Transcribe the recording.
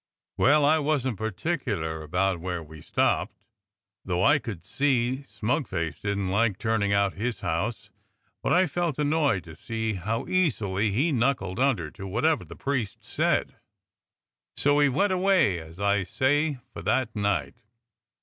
Well, I wasn't particular about where we stopped, though I could see smug face didn't like turning out his house, but I felt annoyed to see how very easily he knuckled under to whatever the priest said. So we went away, as I say, for that night.